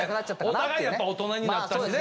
お互いやっぱ大人になったしね。